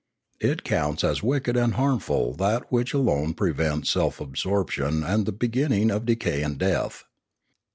It counts as wicked and harmful that which alone prevents self absorption and the be ginning of decay and death.